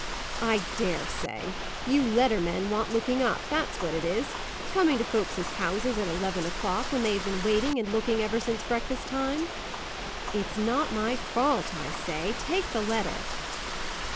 "I dare say! You letter men want looking up: that's what it is. Coming to folks's houses at eleven o'clock, when they have been waiting and looking ever since breakfast time!" "It's not my fault, I say. Take the letter."